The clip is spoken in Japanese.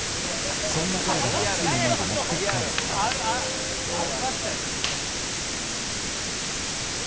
そんな彼らが熱い思いで持ってきたネタは。